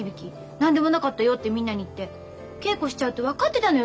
何でもなかったよってみんなに言って稽古しちゃうって分かってたのよ